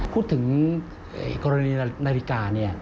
พูดถึงกรณีนาฬิกา